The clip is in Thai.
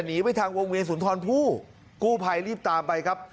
จะหนีไปทางวงเวศษูนย์ธรพู้กู้ไพรรีบตามไปครับ